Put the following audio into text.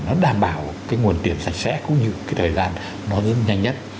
nó đảm bảo cái nguồn tiền sạch sẽ cũng như cái thời gian nó lớn nhanh nhất